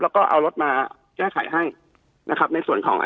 แล้วก็เอารถมาแก้ไขให้นะครับในส่วนของ